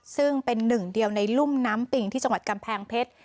ซึ่งเป็นหนึ่งเดียวในรุ่มน้ำปิงที่จังหวัดกำแพงเพชร